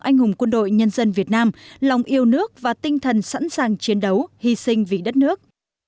anh hùng quân đội nhân dân việt nam lòng yêu nước và tinh thần sẵn sàng chiến đấu hy sinh vì đất nước